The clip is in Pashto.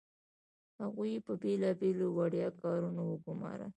هغوی یې په بیلابیلو وړيا کارونو وګمارل.